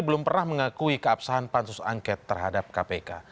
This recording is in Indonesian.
belum pernah mengakui keabsahan pansus angket terhadap kpk